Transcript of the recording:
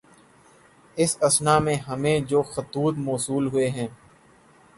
اس اثنا میں ہمیں جو خطوط موصول ہوئے ہیں